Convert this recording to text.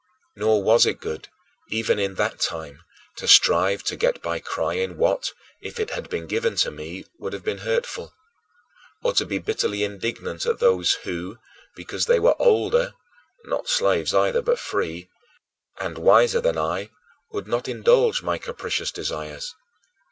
Nor was it good, even in that time, to strive to get by crying what, if it had been given me, would have been hurtful; or to be bitterly indignant at those who, because they were older not slaves, either, but free and wiser than I, would not indulge my capricious desires.